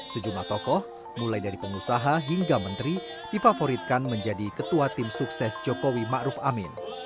sejumlah tokoh mulai dari pengusaha hingga menteri difavoritkan menjadi ketua tim sukses jokowi ⁇ maruf ⁇ amin